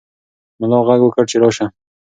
ملا غږ وکړ چې راشه.